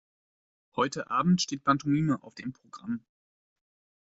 Heute Abend steht Pantomime auf dem Programm.